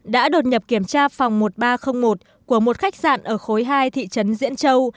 đã đột nhập kiểm tra phòng một nghìn ba trăm linh một của một khách sạn ở khối hai thị trấn diễn châu